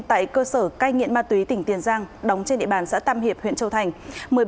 tại cơ sở cai nghiện ma túy tỉnh tiền giang đóng trên địa bàn xã tam hiệp huyện châu thành